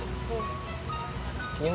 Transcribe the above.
nanti aku akan mencintai kamu